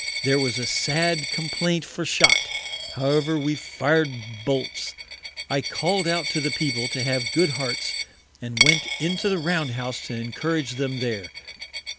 There was a sad Complaint for Shot; however we fir'd Bolts. I call'd out to the People to have good Hearts, and went into the Round house to encourage them there.